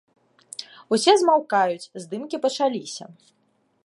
Усе змаўкаюць, здымкі пачаліся.